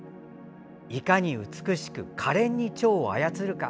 いかに美しくかれんにちょうを操るか。